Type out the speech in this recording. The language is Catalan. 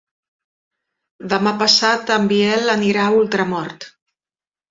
Demà passat en Biel anirà a Ultramort.